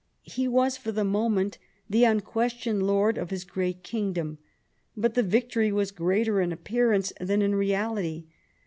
He was for the moment the unquestioned lord of his great kingdom. But the victory was greater in appearance than in reality.